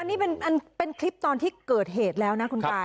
อันนี้เป็นอันเป็นคลิปตอนที่เกิดเหตุแล้วนะคุณกาย